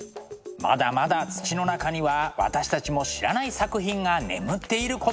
まだまだ土の中には私たちも知らない作品が眠っていることでしょう。